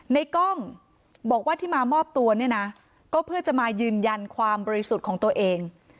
ในกล้องบอกว่าที่มามอบตัวเนี่ยนะก็เพื่อจะมายืนยันความบริสุทธิ์ของตัวเอง